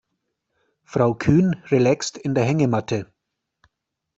Frau Kühn relaxt in der Hängematte.